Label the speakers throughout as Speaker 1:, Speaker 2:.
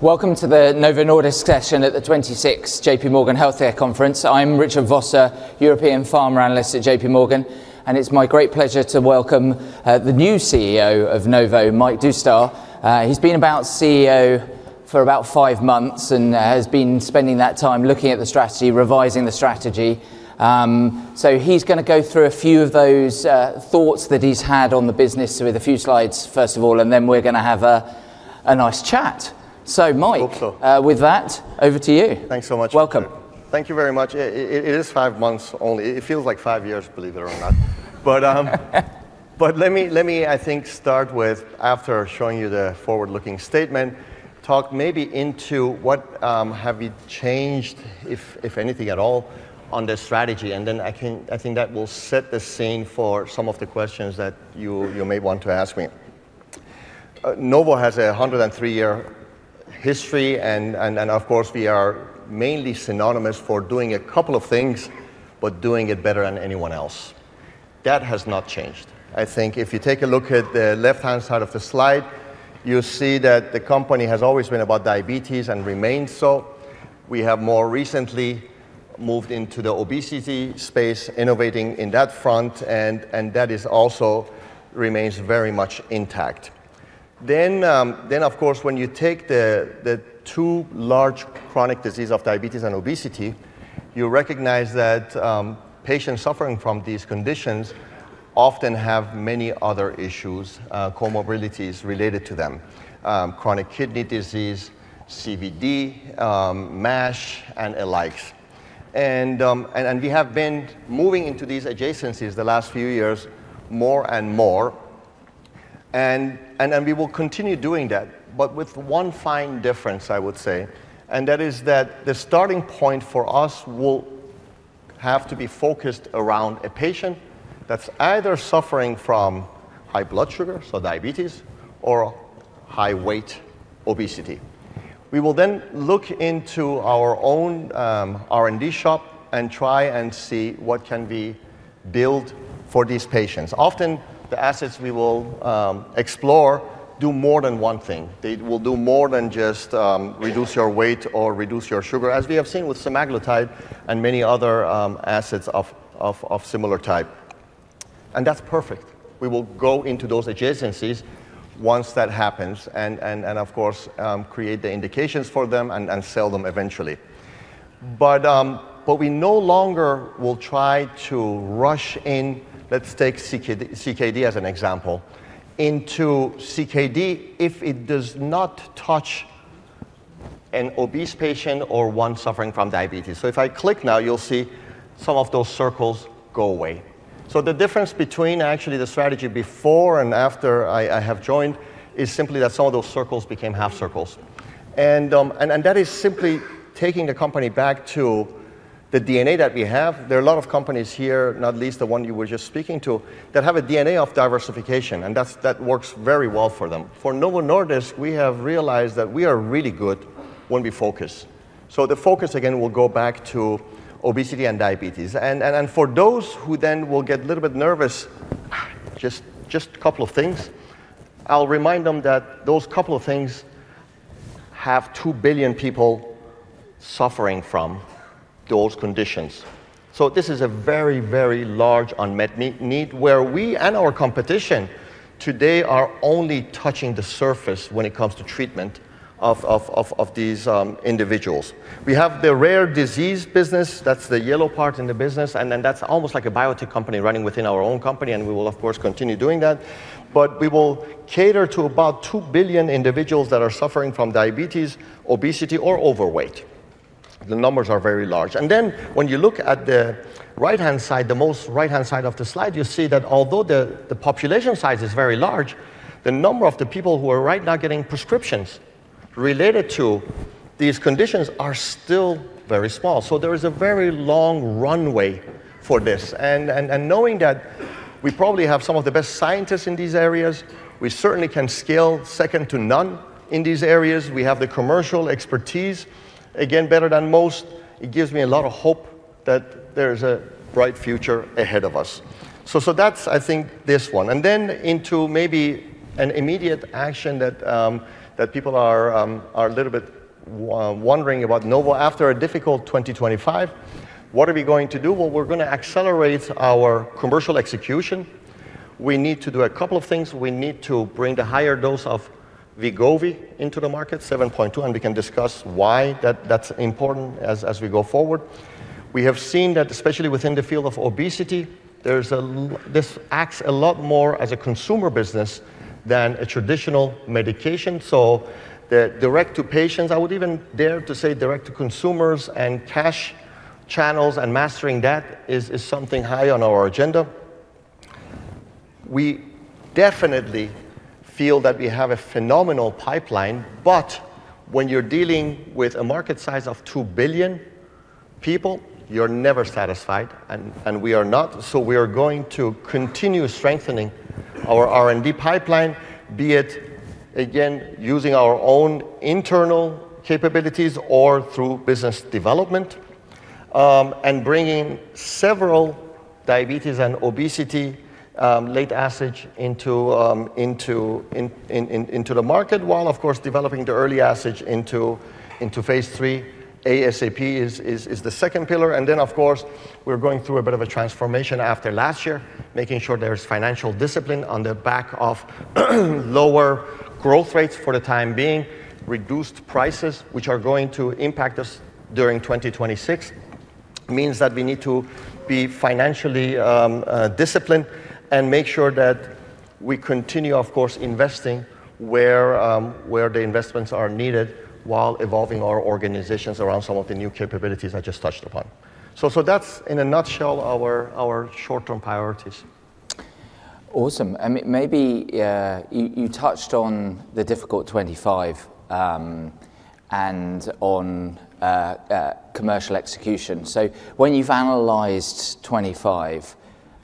Speaker 1: Welcome to the Novo Nordisk session at the 26th J.P. Morgan Healthcare Conference. I'm Richard Vosser, European Pharma Analyst at J.P. Morgan, and it's my great pleasure to welcome the new CEO of Novo, Mike Doustdar. He's been CEO for about five months and has been spending that time looking at the strategy, revising the strategy. So he's going to go through a few of those thoughts that he's had on the business with a few slides, first of all, and then we're going to have a nice chat. So Mike, with that, over to you.
Speaker 2: Thanks so much.
Speaker 1: Welcome.
Speaker 2: Thank you very much. It is five months only. It feels like five years, believe it or not. But let me, I think, start with, after showing you the forward-looking statement, talk maybe about what we have changed, if anything at all, on the strategy. And then I think that will set the scene for some of the questions that you may want to ask me. Novo has a 103-year history, and of course, we are mainly synonymous for doing a couple of things, but doing it better than anyone else. That has not changed. I think if you take a look at the left-hand side of the slide, you'll see that the company has always been about diabetes and remains so. We have more recently moved into the obesity space, innovating in that front, and that also remains very much intact. Then, of course, when you take the two large chronic diseases of diabetes and obesity, you recognize that patients suffering from these conditions often have many other issues, comorbidities related to them: chronic kidney disease, CVD, MASH, and the like. And we have been moving into these adjacencies the last few years more and more, and we will continue doing that, but with one fine difference, I would say, and that is that the starting point for us will have to be focused around a patient that's either suffering from high blood sugar, so diabetes, or high weight obesity. We will then look into our own R&D shop and try and see what can be built for these patients. Often, the assets we will explore do more than one thing. They will do more than just reduce your weight or reduce your sugar, as we have seen with semaglutide and many other assets of similar type, and that's perfect. We will go into those adjacencies once that happens and, of course, create the indications for them and sell them eventually, but we no longer will try to rush in, let's take CKD as an example, into CKD if it does not touch an obese patient or one suffering from diabetes, so if I click now, you'll see some of those circles go away, so the difference between actually the strategy before and after I have joined is simply that some of those circles became half circles, and that is simply taking the company back to the DNA that we have. There are a lot of companies here, not least the one you were just speaking to, that have a DNA of diversification, and that works very well for them. For Novo Nordisk, we have realized that we are really good when we focus, so the focus, again, will go back to obesity and diabetes, and for those who then will get a little bit nervous, just a couple of things. I'll remind them that those couple of things have two billion people suffering from those conditions, so this is a very, very large unmet need where we and our competition today are only touching the surface when it comes to treatment of these individuals. We have the rare disease business, that's the yellow part in the business, and then that's almost like a biotech company running within our own company, and we will, of course, continue doing that. But we will cater to about 2 billion individuals that are suffering from diabetes, obesity, or overweight. The numbers are very large. And then when you look at the right-hand side, the most right-hand side of the slide, you see that although the population size is very large, the number of the people who are right now getting prescriptions related to these conditions are still very small. So there is a very long runway for this. And knowing that we probably have some of the best scientists in these areas, we certainly can scale second to none in these areas. We have the commercial expertise, again, better than most. It gives me a lot of hope that there is a bright future ahead of us. So that's, I think, this one. And then into maybe an immediate action that people are a little bit wondering about Novo after a difficult 2025, what are we going to do? Well, we're going to accelerate our commercial execution. We need to do a couple of things. We need to bring the higher dose of Wegovy into the market, 7.2, and we can discuss why that's important as we go forward. We have seen that especially within the field of obesity, this acts a lot more as a consumer business than a traditional medication. So the direct-to-patients, I would even dare to say direct-to-consumers and cash channels and mastering that is something high on our agenda. We definitely feel that we have a phenomenal pipeline, but when you're dealing with a market size of 2 billion people, you're never satisfied, and we are not. So we are going to continue strengthening our R&D pipeline, be it, again, using our own internal capabilities or through business development, and bringing several diabetes and obesity late assets into the market while, of course, developing the early assets into phase three. ASAP is the second pillar. And then, of course, we're going through a bit of a transformation after last year, making sure there is financial discipline on the back of lower growth rates for the time being, reduced prices, which are going to impact us during 2026. It means that we need to be financially disciplined and make sure that we continue, of course, investing where the investments are needed while evolving our organizations around some of the new capabilities I just touched upon. So that's, in a nutshell, our short-term priorities.
Speaker 1: Awesome. Maybe you touched on the difficult 25 and on commercial execution. So when you've analyzed 25,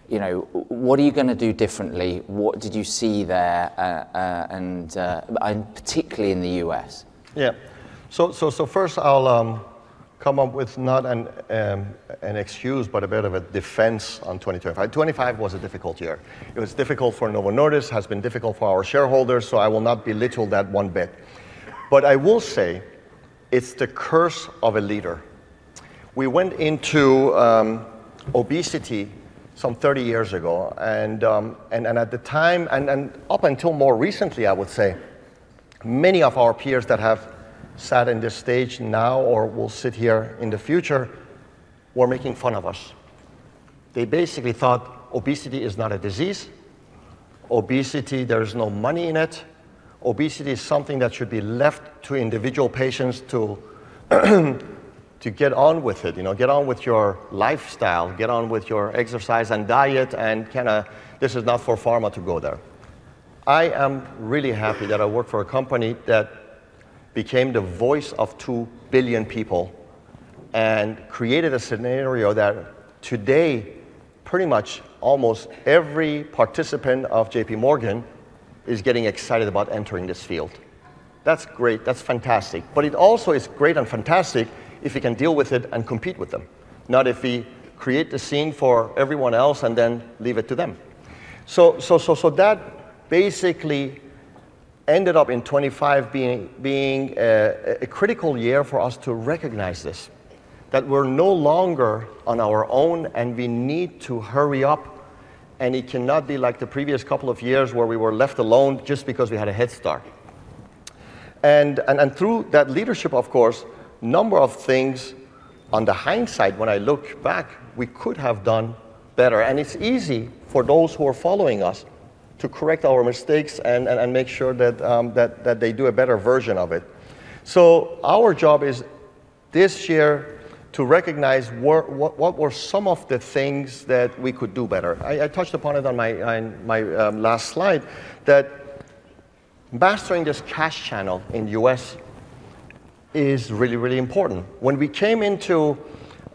Speaker 1: what are you going to do differently? What did you see there, and particularly in the U.S.?
Speaker 2: Yeah. So first, I'll come up with not an excuse, but a bit of a defense on 2025. 2025 was a difficult year. It was difficult for Novo Nordisk, has been difficult for our shareholders, so I will not belittle that one bit. But I will say it's the curse of a leader. We went into obesity some 30 years ago, and at the time, and up until more recently, I would say, many of our peers that have sat in this stage now or will sit here in the future were making fun of us. They basically thought obesity is not a disease. Obesity, there is no money in it. Obesity is something that should be left to individual patients to get on with it, get on with your lifestyle, get on with your exercise and diet, and kind of this is not for pharma to go there. I am really happy that I work for a company that became the voice of 2 billion people and created a scenario that today, pretty much almost every participant of J.P. Morgan is getting excited about entering this field. That's great. That's fantastic. But it also is great and fantastic if you can deal with it and compete with them, not if we create the scene for everyone else and then leave it to them. So that basically ended up in 2025 being a critical year for us to recognize this, that we're no longer on our own and we need to hurry up, and it cannot be like the previous couple of years where we were left alone just because we had a head start. And through that leadership, of course, a number of things on the hindsight, when I look back, we could have done better. And it's easy for those who are following us to correct our mistakes and make sure that they do a better version of it. So our job is this year to recognize what were some of the things that we could do better. I touched upon it on my last slide, that mastering this cash channel in the U.S. is really, really important. When we came into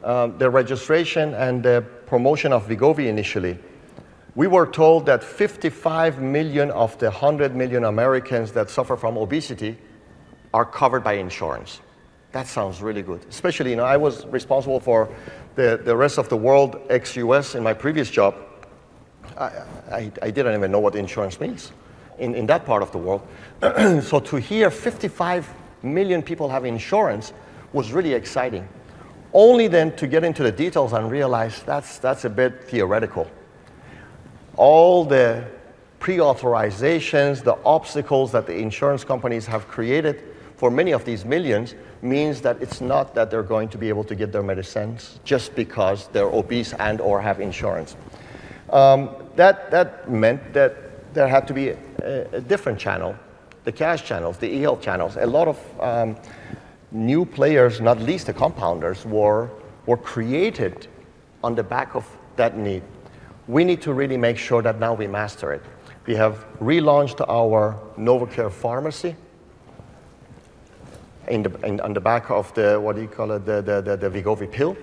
Speaker 2: the registration and the promotion of Wegovy initially, we were told that 55 million of the 100 million Americans that suffer from obesity are covered by insurance. That sounds really good. Especially, I was responsible for the rest of the world ex-U.S. in my previous job. I didn't even know what insurance means in that part of the world. So to hear 55 million people have insurance was really exciting. Only then to get into the details and realize that's a bit theoretical. All the pre-authorizations, the obstacles that the insurance companies have created for many of these millions means that it's not that they're going to be able to get their medicines just because they're obese and/or have insurance. That meant that there had to be a different channel, the cash channels, the e-health channels. A lot of new players, not least the compounders, were created on the back of that need. We need to really make sure that now we master it. We have relaunched our NovoCare pharmacy on the back of the, what do you call it, the Wegovy pill.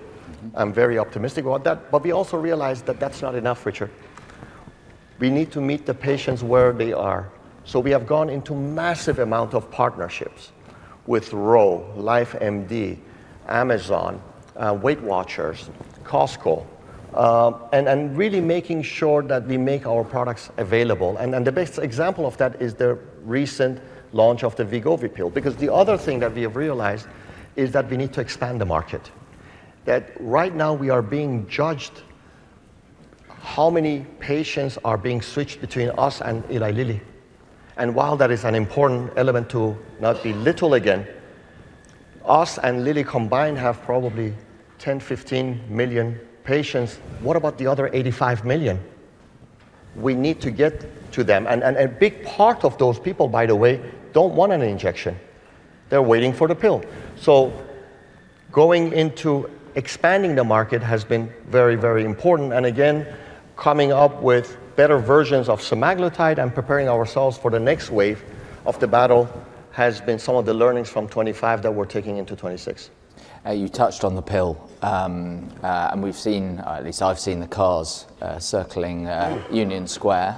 Speaker 2: I'm very optimistic about that. But we also realized that that's not enough, Richard. We need to meet the patients where they are. So we have gone into massive amount of partnerships with Ro, LifeMD, Amazon, WeightWatchers, Costco, and really making sure that we make our products available. And the best example of that is the recent launch of the Rybelsus pill. Because the other thing that we have realized is that we need to expand the market. That right now we are being judged how many patients are being switched between us and Eli Lilly. And while that is an important element to not belittle again, us and Lilly combined have probably 10-15 million patients. What about the other 85 million? We need to get to them. And a big part of those people, by the way, don't want an injection. They're waiting for the pill. So going into expanding the market has been very, very important. And again, coming up with better versions of semaglutide and preparing ourselves for the next wave of the battle has been some of the learnings from 2025 that we're taking into 2026.
Speaker 1: You touched on the pill, and we've seen, at least I've seen the cars circling Union Square,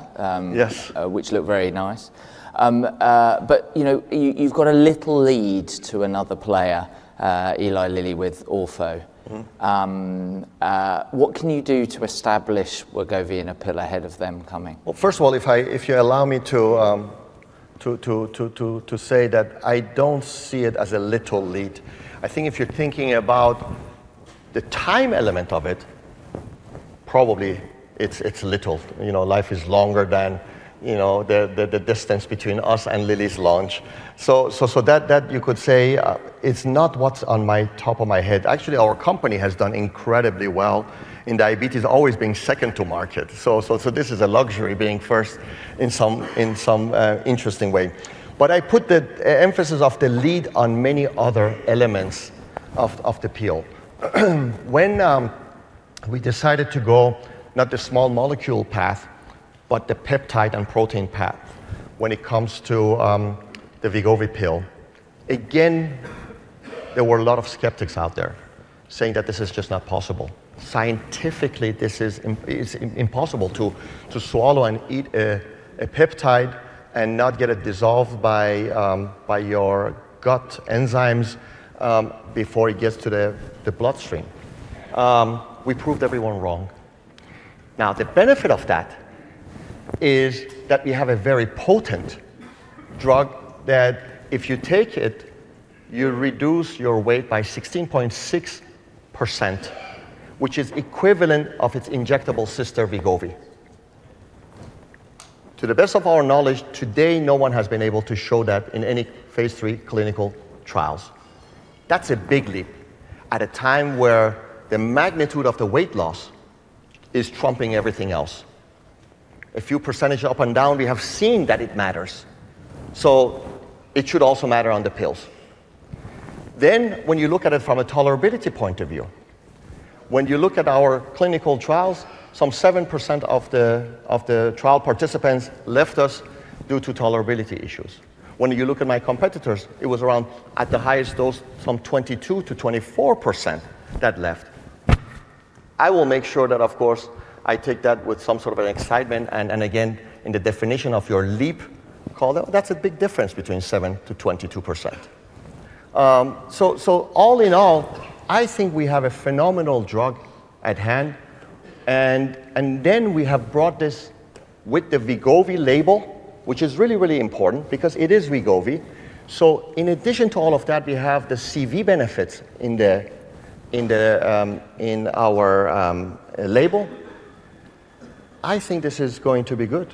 Speaker 1: which look very nice. But you've got a little lead to another player, Eli Lilly with orforglipron. What can you do to establish Wegovy in a pill ahead of them coming?
Speaker 2: First of all, if you allow me to say that I don't see it as a little lead. I think if you're thinking about the time element of it, probably it's little. Life is longer than the distance between us and Lilly's launch. So that you could say it's not what's on top of my head. Actually, our company has done incredibly well in diabetes, always being second to market. So this is a luxury being first in some interesting way. But I put the emphasis of the lead on many other elements of the pill. When we decided to go not the small molecule path, but the peptide and protein path when it comes to the Rybelsus pill, again, there were a lot of skeptics out there saying that this is just not possible. Scientifically, it's impossible to swallow and eat a peptide and not get it dissolved by your gut enzymes before it gets to the bloodstream. We proved everyone wrong. Now, the benefit of that is that we have a very potent drug that if you take it, you reduce your weight by 16.6%, which is equivalent of its injectable sister, Wegovy. To the best of our knowledge, today, no one has been able to show that in any phase three clinical trials. That's a big leap at a time where the magnitude of the weight loss is trumping everything else. A few percentage up and down, we have seen that it matters. So it should also matter on the pills. Then when you look at it from a tolerability point of view, when you look at our clinical trials, some 7% of the trial participants left us due to tolerability issues. When you look at my competitors, it was around at the highest dose, some 22%-24% that left. I will make sure that, of course, I take that with some sort of an excitement. And again, in the definition of your leap, call it, that's a big difference between 7%-22%. So all in all, I think we have a phenomenal drug at hand. And then we have brought this with the Wegovy label, which is really, really important because it is Wegovy. So in addition to all of that, we have the CV benefits in our label. I think this is going to be good.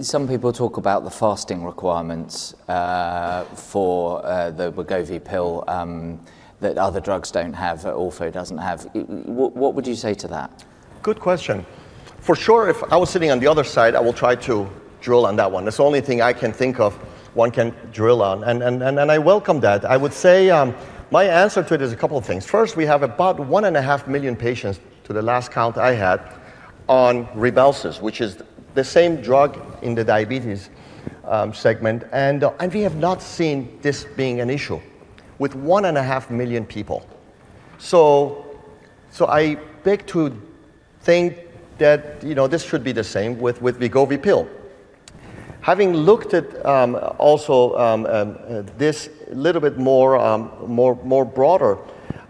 Speaker 1: Some people talk about the fasting requirements for the Wegovy pill that other drugs don't have, Orforglipron, doesn't have. What would you say to that?
Speaker 2: Good question. For sure, if I was sitting on the other side, I will try to drill on that one. That's the only thing I can think of one can drill on, and I welcome that. I would say my answer to it is a couple of things. First, we have about 1.5 million patients to the last count I had on Rybelsus, which is the same drug in the diabetes segment, and we have not seen this being an issue with 1.5 million people, so I beg to think that this should be the same with Wegovy pill. Having looked at also this a little bit more broader,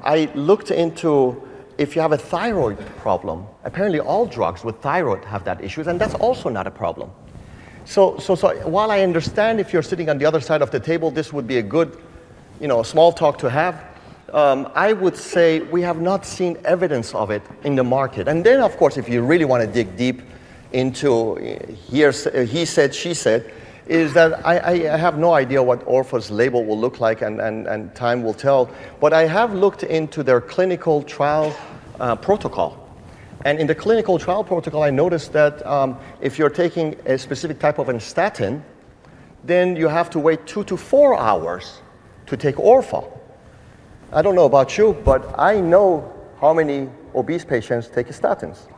Speaker 2: I looked into if you have a thyroid problem. Apparently, all drugs with thyroid have that issue, and that's also not a problem. So while I understand if you're sitting on the other side of the table, this would be a good small talk to have, I would say we have not seen evidence of it in the market. And then, of course, if you really want to dig deep into he said, she said, is that I have no idea what Orforglipron's label will look like and time will tell. But I have looked into their clinical trial protocol. And in the clinical trial protocol, I noticed that if you're taking a specific type of a statin, then you have to wait two to four hours to take Orforglipron. I don't know about you, but I know how many obese patients take statins.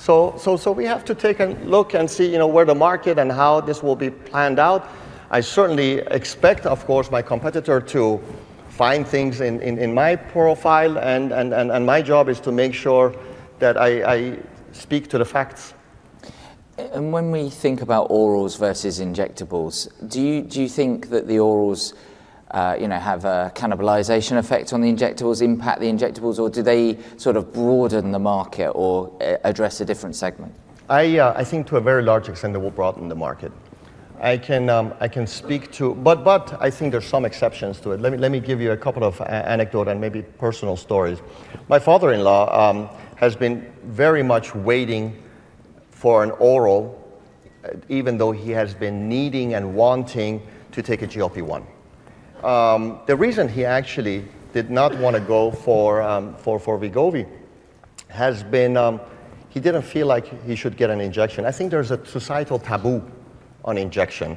Speaker 2: So we have to take a look and see where the market and how this will be planned out. I certainly expect, of course, my competitor to find things in my profile, and my job is to make sure that I speak to the facts.
Speaker 1: When we think about orals versus injectables, do you think that the orals have a cannibalization effect on the injectables, impact the injectables, or do they sort of broaden the market or address a different segment?
Speaker 2: I think to a very large extent, they will broaden the market. I can speak to, but I think there are some exceptions to it. Let me give you a couple of anecdotes and maybe personal stories. My father-in-law has been very much waiting for an oral, even though he has been needing and wanting to take a GLP-1. The reason he actually did not want to go for Wegovy has been he didn't feel like he should get an injection. I think there's a societal taboo on injection.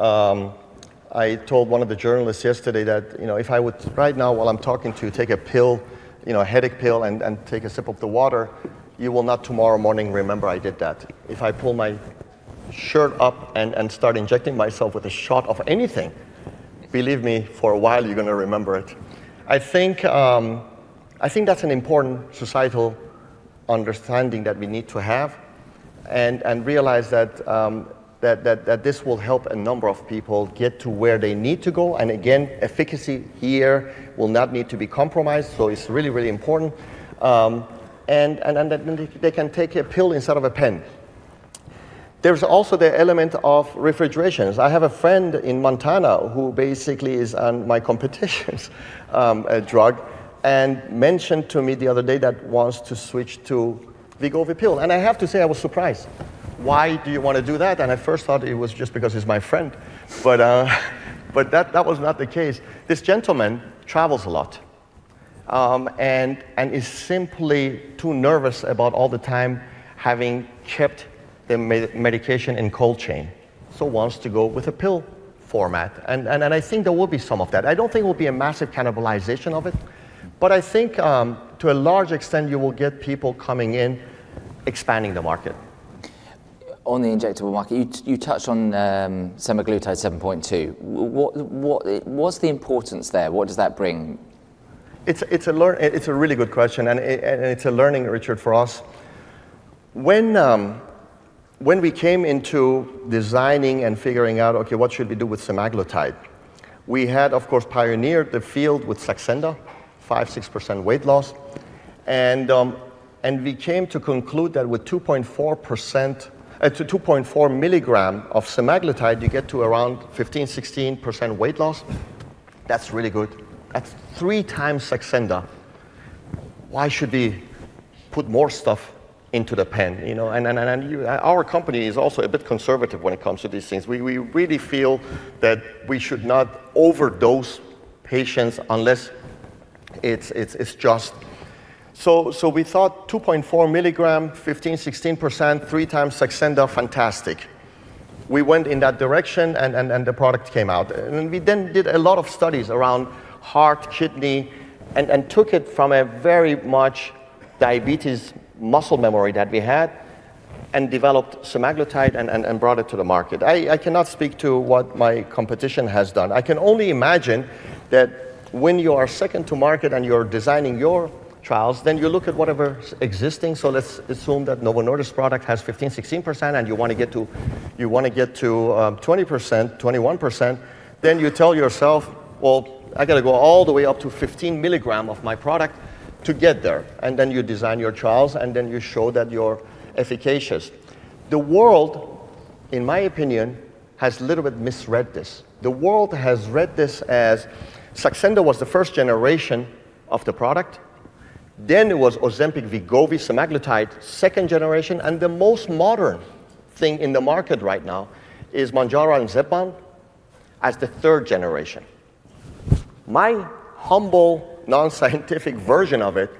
Speaker 2: I told one of the journalists yesterday that if I would right now, while I'm talking to you, take a pill, a headache pill, and take a sip of the water, you will not tomorrow morning remember I did that. If I pull my shirt up and start injecting myself with a shot of anything, believe me, for a while you're going to remember it. I think that's an important societal understanding that we need to have and realize that this will help a number of people get to where they need to go, and again, efficacy here will not need to be compromised, so it's really, really important that they can take a pill instead of a pen. There's also the element of refrigeration. I have a friend in Montana who basically is on my competition's drug and mentioned to me the other day that wants to switch to Wegovy pill. And I have to say I was surprised. Why do you want to do that? And I first thought it was just because he's my friend, but that was not the case. This gentleman travels a lot and is simply too nervous about all the time having kept the medication in cold chain, so wants to go with a pill format, and I think there will be some of that. I don't think it will be a massive cannibalization of it, but I think to a large extent, you will get people coming in expanding the market.
Speaker 1: On the injectable market, you touched on semaglutide 7.2. What's the importance there? What does that bring?
Speaker 2: It's a really good question, and it's a learning, Richard, for us. When we came into designing and figuring out, OK, what should we do with semaglutide, we had, of course, pioneered the field with Saxenda, 5%, 6% weight loss, and we came to conclude that with 2.4 to 2.4 milligrams of semaglutide, you get to around 15%, 16% weight loss. That's really good. That's three times Saxenda. Why should we put more stuff into the pen, and our company is also a bit conservative when it comes to these things. We really feel that we should not overdose patients unless it's just, so we thought 2.4 milligrams, 15%, 16%, three times Saxenda, fantastic. We went in that direction and the product came out. And we then did a lot of studies around heart, kidney, and took it from a very much diabetes muscle memory that we had and developed semaglutide and brought it to the market. I cannot speak to what my competition has done. I can only imagine that when you are second to market and you're designing your trials, then you look at whatever's existing. So let's assume that Novo Nordisk product has 15%, 16%, and you want to get to 20%, 21%. Then you tell yourself, well, I got to go all the way up to 15 milligrams of my product to get there. And then you design your trials, and then you show that you're efficacious. The world, in my opinion, has a little bit misread this. The world has read this as Saxenda was the first generation of the product. Then it was Ozempic, Wegovy, semaglutide, second generation. The most modern thing in the market right now is Mounjaro and Zepbound as the third generation. My humble non-scientific version of it,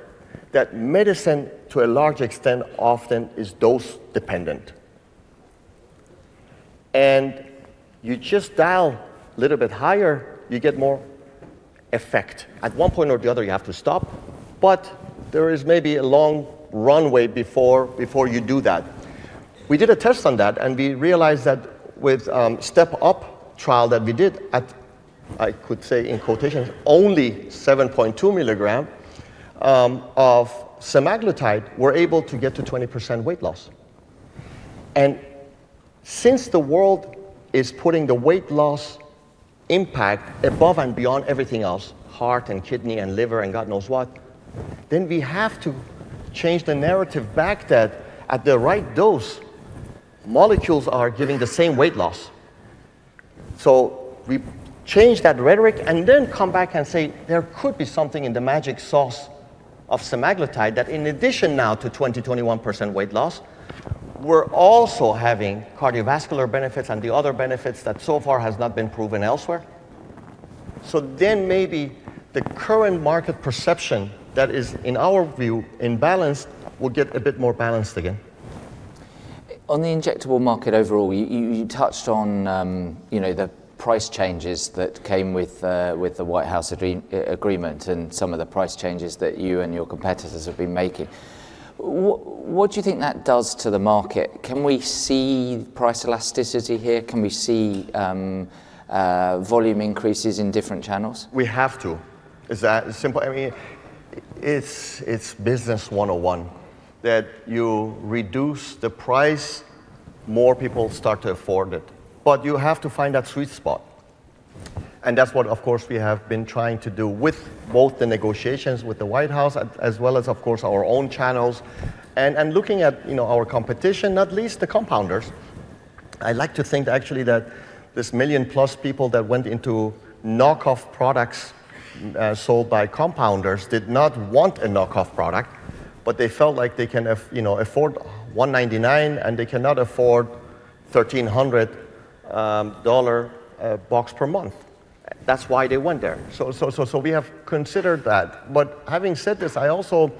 Speaker 2: that medicine to a large extent often is dose dependent. You just dial a little bit higher, you get more effect. At one point or the other, you have to stop. But there is maybe a long runway before you do that. We did a test on that, and we realized that with the STEP UP trial that we did at, I could say in quotations, only 7.2 milligrams of semaglutide, we're able to get to 20% weight loss. Since the world is putting the weight loss impact above and beyond everything else, heart and kidney and liver and God knows what, then we have to change the narrative back that at the right dose, molecules are giving the same weight loss. So we change that rhetoric and then come back and say there could be something in the magic sauce of semaglutide that in addition now to 20%, 21% weight loss, we're also having cardiovascular benefits and the other benefits that so far have not been proven elsewhere. So then maybe the current market perception that is, in our view, imbalanced will get a bit more balanced again.
Speaker 1: On the injectable market overall, you touched on the price changes that came with the White House agreement and some of the price changes that you and your competitors have been making. What do you think that does to the market? Can we see price elasticity here? Can we see volume increases in different channels?
Speaker 2: We have to. It's business 101 that you reduce the price, more people start to afford it. But you have to find that sweet spot. And that's what, of course, we have been trying to do with both the negotiations with the White House as well as, of course, our own channels. And looking at our competition, not least the compounders, I like to think actually that this million plus people that went into knockoff products sold by compounders did not want a knockoff product, but they felt like they can afford $199, and they cannot afford $1,300 box per month. That's why they went there. So we have considered that. But having said this, I also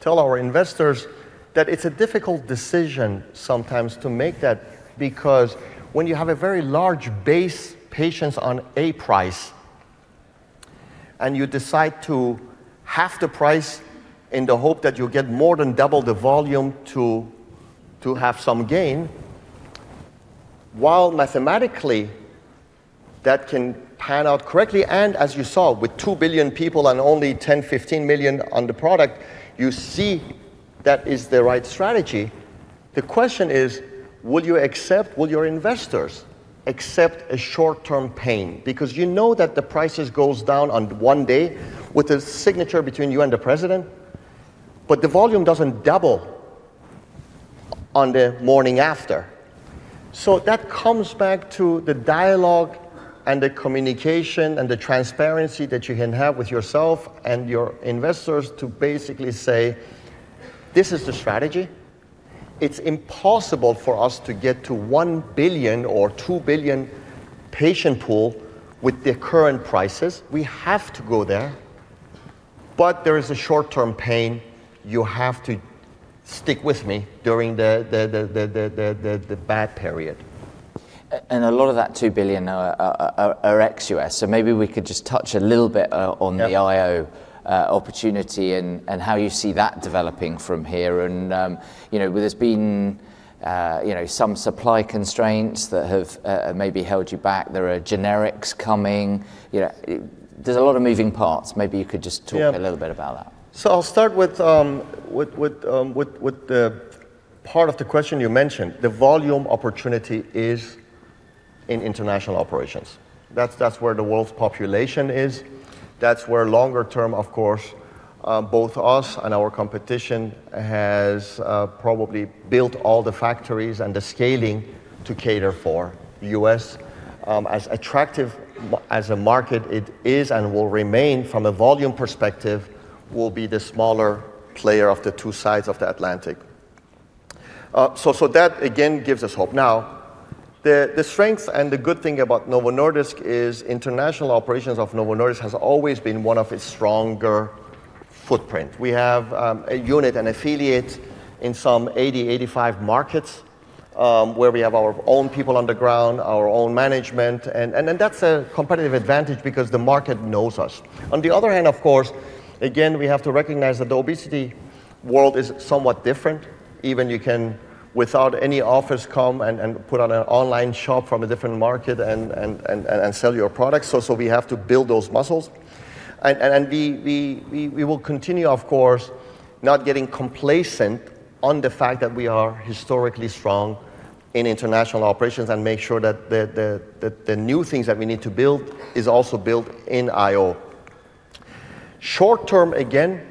Speaker 2: tell our investors that it's a difficult decision sometimes to make that because when you have a very large patient base at a price and you decide to halve the price in the hope that you'll get more than double the volume to have some gain, while mathematically that can pan out correctly. And as you saw with 2 billion people and only 10-15 million on the product, you see that is the right strategy. The question is, will your investors accept a short-term pain? Because you know that the prices go down on one day with a signature between you and the president, but the volume doesn't double on the morning after. So that comes back to the dialogue and the communication and the transparency that you can have with yourself and your investors to basically say, this is the strategy. It's impossible for us to get to one billion or two billion patient pool with the current prices. We have to go there. But there is a short-term pain. You have to stick with me during the bad period.
Speaker 1: A lot of that $2 billion now are ex-U.S. Maybe we could just touch a little bit on the IO opportunity and how you see that developing from here. There has been some supply constraints that have maybe held you back. There are generics coming. There is a lot of moving parts. Maybe you could just talk a little bit about that.
Speaker 2: So I'll start with the part of the question you mentioned. The volume opportunity is in international operations. That's where the world's population is. That's where longer term, of course, both us and our competition has probably built all the factories and the scaling to cater for. The U.S., as attractive as a market it is and will remain from a volume perspective, will be the smaller player of the two sides of the Atlantic. So that again gives us hope. Now, the strength and the good thing about Novo Nordisk is international operations of Novo Nordisk has always been one of its stronger footprints. We have a unit and affiliates in some 80, 85 markets where we have our own people on the ground, our own management. And that's a competitive advantage because the market knows us. On the other hand, of course, again, we have to recognize that the obesity world is somewhat different. Even you can, without any office, come and put on an online shop from a different market and sell your product. So we have to build those muscles. And we will continue, of course, not getting complacent on the fact that we are historically strong in international operations and make sure that the new things that we need to build are also built in IO. Short term, again,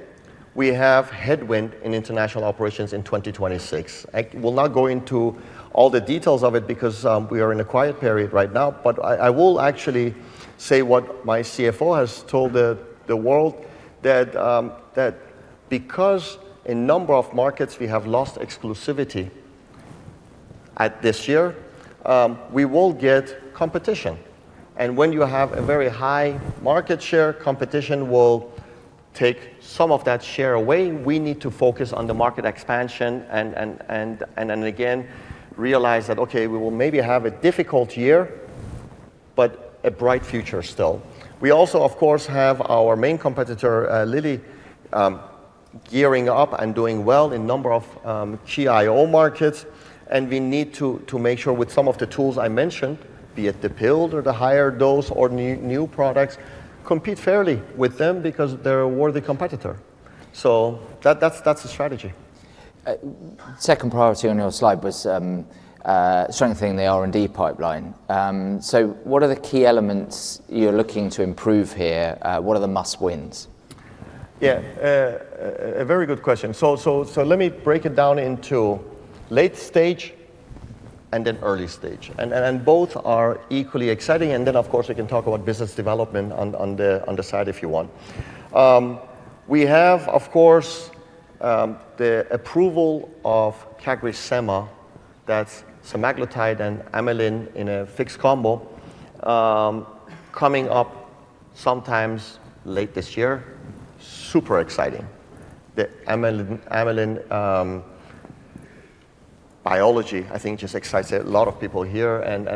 Speaker 2: we have headwind in international operations in 2026. I will not go into all the details of it because we are in a quiet period right now. But I will actually say what my CFO has told the world, that because a number of markets we have lost exclusivity at this year, we will get competition. When you have a very high market share, competition will take some of that share away. We need to focus on the market expansion and again realize that, OK, we will maybe have a difficult year, but a bright future still. We also, of course, have our main competitor, Lilly, gearing up and doing well in a number of key U.S. markets. We need to make sure with some of the tools I mentioned, be it the pill or the higher dose or new products, compete fairly with them because they're a worthy competitor. That's the strategy.
Speaker 1: Second priority on your slide was strengthening the R&D pipeline. So what are the key elements you're looking to improve here? What are the must wins?
Speaker 2: Yeah, a very good question, so let me break it down into late stage and then early stage, and both are equally exciting, and then, of course, we can talk about business development on the side if you want. We have, of course, the approval of CagriSema, that's semaglutide and amylin in a fixed combo coming up sometime late this year. Super exciting. The amylin biology, I think, just excites a lot of people here, and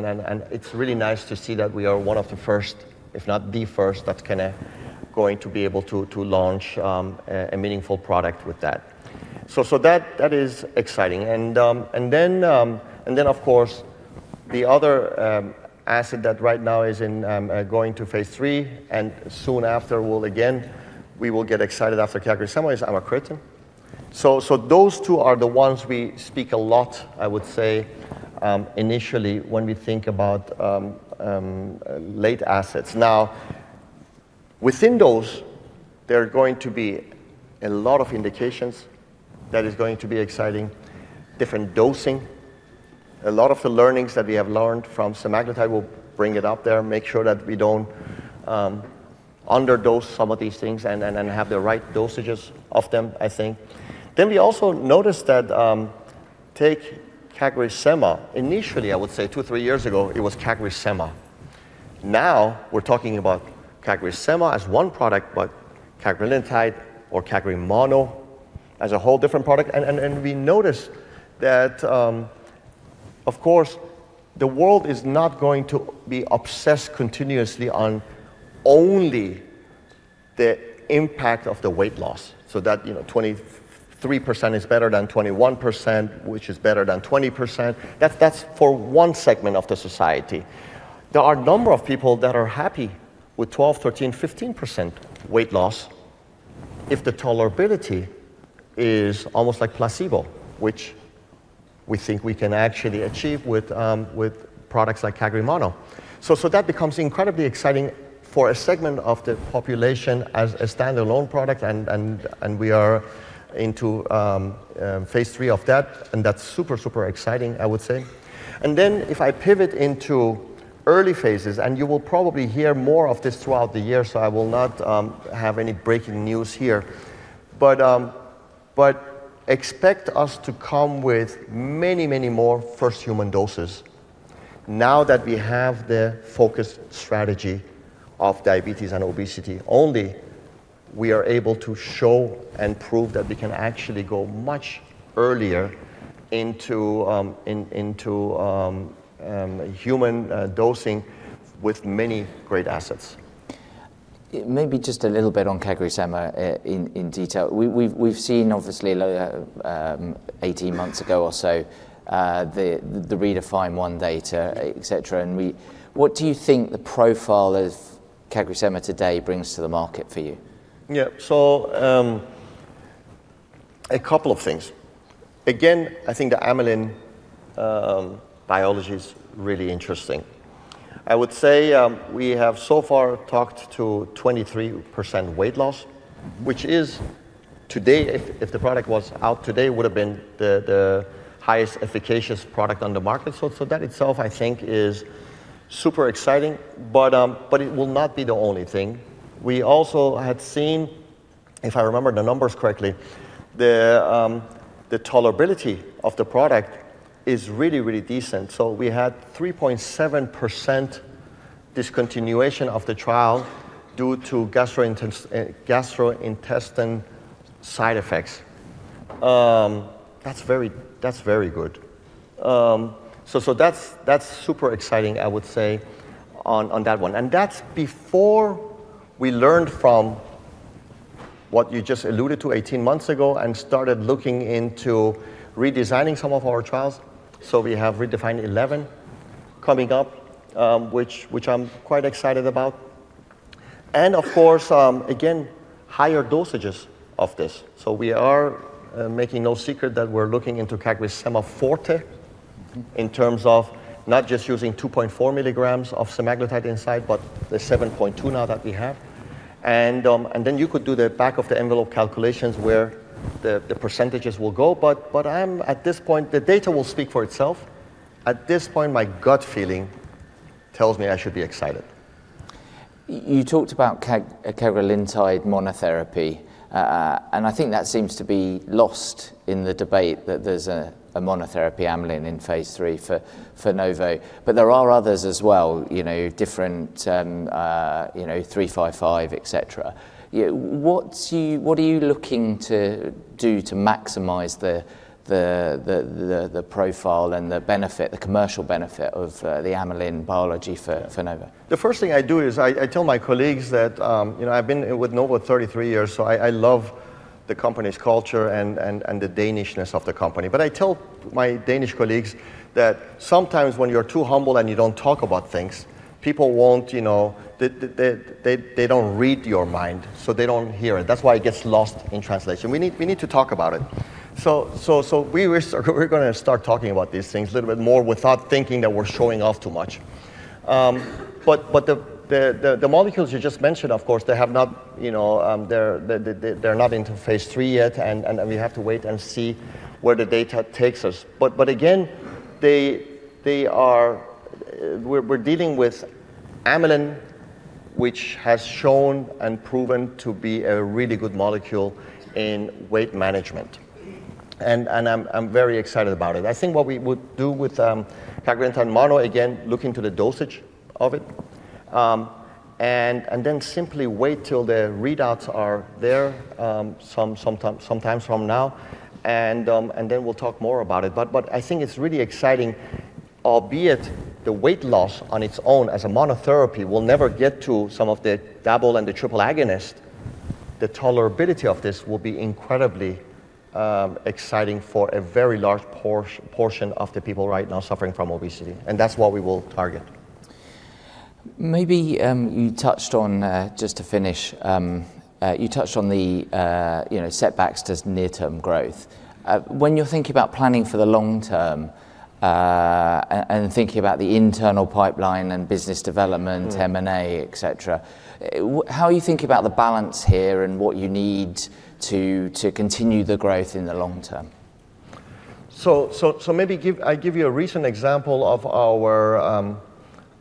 Speaker 2: it's really nice to see that we are one of the first, if not the first, that's going to be able to launch a meaningful product with that, so that is exciting, and then, of course, the other asset that right now is going to phase 3, and soon after, again, we will get excited after CagriSema is amycretin. So those two are the ones we speak a lot, I would say, initially when we think about late assets. Now, within those, there are going to be a lot of indications that are going to be exciting, different dosing. A lot of the learnings that we have learned from semaglutide will bring it up there, make sure that we don't underdose some of these things and have the right dosages of them, I think. Then we also noticed that take CagriSema. Initially, I would say two or three years ago, it was CagriSema. Now we're talking about CagriSema as one product, but cagrilintide or Cagrimono as a whole different product. And we noticed that, of course, the world is not going to be obsessed continuously on only the impact of the weight loss. So that 23% is better than 21%, which is better than 20%. That's for one segment of the society. There are a number of people that are happy with 12%, 13%, 15% weight loss if the tolerability is almost like placebo, which we think we can actually achieve with products like CagriSema, so that becomes incredibly exciting for a segment of the population as a standalone product, and we are into phase three of that, and that's super, super exciting, I would say, and then if I pivot into early phases, and you will probably hear more of this throughout the year, so I will not have any breaking news here, but expect us to come with many, many more first human doses. Now that we have the focused strategy of diabetes and obesity only, we are able to show and prove that we can actually go much earlier into human dosing with many great assets.
Speaker 1: Maybe just a little bit on CagriSema in detail. We've seen, obviously, 18 months ago or so, the early phase 1 data, et cetera, and what do you think the profile of CagriSema today brings to the market for you?
Speaker 2: Yeah, so a couple of things. Again, I think the Amylin biology is really interesting. I would say we have so far talked to 23% weight loss, which is today, if the product was out today, would have been the highest efficacious product on the market, so that itself, I think, is super exciting. But it will not be the only thing. We also had seen, if I remember the numbers correctly, the tolerability of the product is really, really decent, so we had 3.7% discontinuation of the trial due to gastrointestinal side effects. That's very good, so that's super exciting, I would say, on that one, and that's before we learned from what you just alluded to 18 months ago and started looking into redesigning some of our trials, so we have readout phase II coming up, which I'm quite excited about. Of course, again, higher dosages of this. We are making no secret that we're looking into CagriSema forte in terms of not just using 2.4 milligrams of semaglutide inside, but the 7.2 now that we have. Then you could do the back of the envelope calculations where the percentages will go. At this point, the data will speak for itself. At this point, my gut feeling tells me I should be excited.
Speaker 1: You talked about Cagrilintide monotherapy. And I think that seems to be lost in the debate that there's a monotherapy Amylin in phase three for Novo. But there are others as well, different three, five, five, et cetera. What are you looking to do to maximize the profile and the benefit, the commercial benefit of the Amylin biology for Novo?
Speaker 2: The first thing I do is I tell my colleagues that I've been with Novo 33 years, so I love the company's culture and the Danishness of the company. But I tell my Danish colleagues that sometimes when you're too humble and you don't talk about things, people won't, they don't read your mind, so they don't hear it. That's why it gets lost in translation. We need to talk about it, so we're going to start talking about these things a little bit more without thinking that we're showing off too much. But the molecules you just mentioned, of course, they're not into phase three yet, and we have to wait and see where the data takes us. But again, we're dealing with Amylin, which has shown and proven to be a really good molecule in weight management, and I'm very excited about it. I think what we would do with Cagrilintide and mono, again, look into the dosage of it, and then simply wait till the readouts are there sometime from now, and then we'll talk more about it, but I think it's really exciting, albeit the weight loss on its own as a monotherapy will never get to some of the double and the triple agonist. The tolerability of this will be incredibly exciting for a very large portion of the people right now suffering from obesity, and that's what we will target.
Speaker 1: Maybe you touched on, just to finish, you touched on the setbacks to near-term growth. When you're thinking about planning for the long term and thinking about the internal pipeline and business development, M&A, et cetera, how are you thinking about the balance here and what you need to continue the growth in the long term?
Speaker 2: So maybe I give you a recent example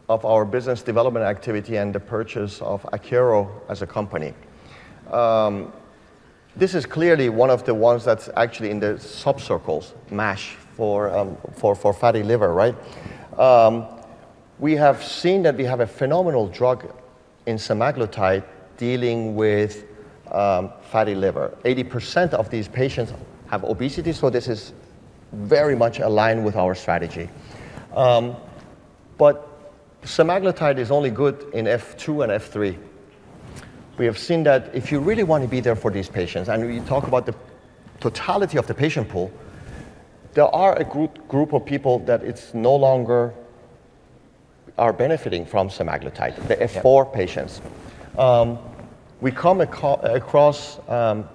Speaker 2: of our business development activity and the purchase of Acuro as a company. This is clearly one of the ones that's actually in the subcircles, MASH, for fatty liver, right? We have seen that we have a phenomenal drug in semaglutide dealing with fatty liver. 80% of these patients have obesity. So this is very much aligned with our strategy. But semaglutide is only good in F2 and F3. We have seen that if you really want to be there for these patients, and we talk about the totality of the patient pool, there are a group of people that are no longer benefiting from semaglutide, the F4 patients. We come across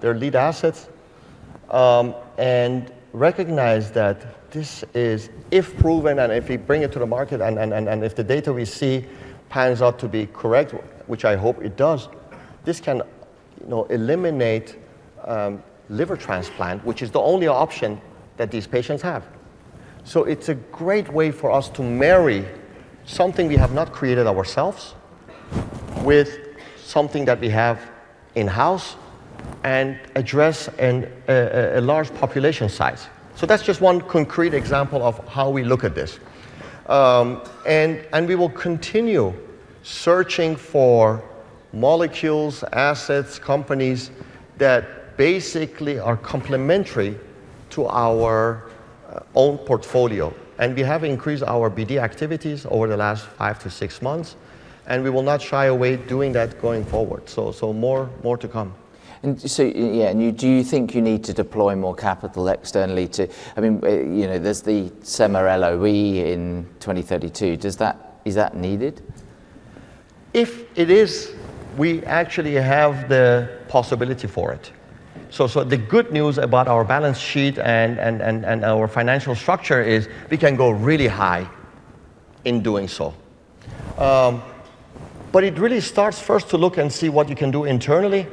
Speaker 2: their lead assets and recognize that this is, if proven and if we bring it to the market and if the data we see pans out to be correct, which I hope it does, this can eliminate liver transplant, which is the only option that these patients have. So it's a great way for us to marry something we have not created ourselves with something that we have in-house and address a large population size. So that's just one concrete example of how we look at this. And we will continue searching for molecules, assets, companies that basically are complementary to our own portfolio. And we have increased our BD activities over the last five to six months. And we will not shy away doing that going forward. So more to come.
Speaker 1: And do you think you need to deploy more capital externally to, I mean, there's the Sema LOE in 2032. Is that needed?
Speaker 2: If it is, we actually have the possibility for it. So the good news about our balance sheet and our financial structure is we can go really high in doing so. But it really starts first to look and see what you can do internally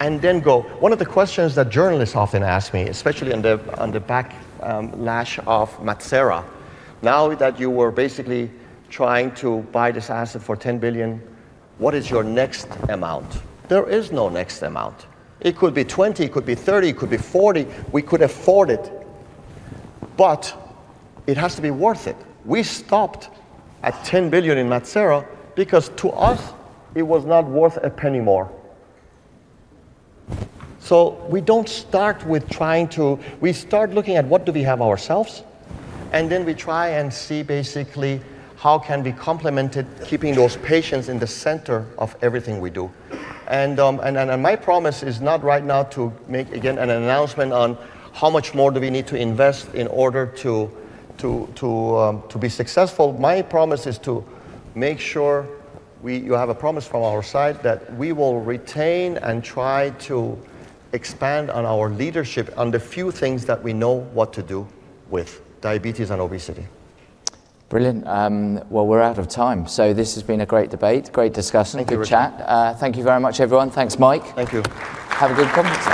Speaker 2: and then go. One of the questions that journalists often ask me, especially on the backlash of Metsera, now that you were basically trying to buy this asset for $10 billion, what is your next amount? There is no next amount. It could be $20 billion, it could be $30 billion, it could be $40 billion. We could afford it. But it has to be worth it. We stopped at $10 billion in Metsera because to us, it was not worth a penny more. So we don't start with trying to, we start looking at what do we have ourselves. And then we try and see basically how can we complement it, keeping those patients in the center of everything we do. And my promise is not right now to make, again, an announcement on how much more do we need to invest in order to be successful. My promise is to make sure you have a promise from our side that we will retain, and try to expand on our leadership on the few things that we know what to do with diabetes and obesity.
Speaker 1: Brilliant. Well, we're out of time. So this has been a great debate, great discussion, good chat. Thank you very much, everyone. Thanks, Mike.
Speaker 2: Thank you.
Speaker 1: Have a good conference.